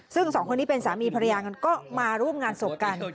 ซึ่งสองคนนี้เป็นสามีภรรยากันก็มาร่วมงานศพกัน